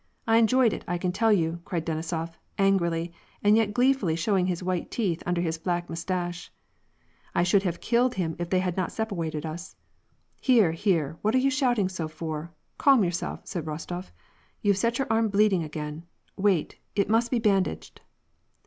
I enjoyed it, I can tell you," cried Denisof, angrily and yet gleefully showing his white teeth under his black mustache. " I should have killed him, if they had not sepawated us." "Here, here, what are you shouting so for? Calm your self," said Rostof. "You've set your arm bleeding again. Wait, it must be bandaged."